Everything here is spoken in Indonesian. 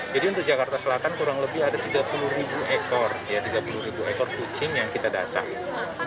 jadi untuk jakarta selatan kurang lebih ada tiga puluh ribu ekor kucing yang kita datang